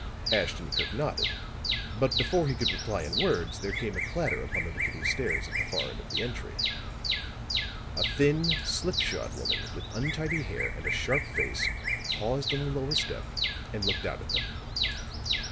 Ashton Kirk nodded, but before he could reply in words there came a clatter upon the rickety stairs at the far end of the entry. A thin, slipshod woman with untidy hair and a sharp face paused on the lower step and looked out at them.